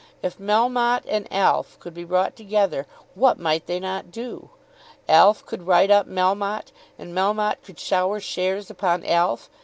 If Melmotte and Alf could be brought together what might they not do? Alf could write up Melmotte, and Melmotte could shower shares upon Alf.